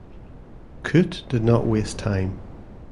Coote did not waste time.